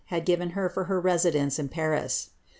had given her for her residence in Paris.